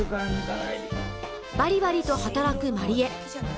バリバリと働く万里江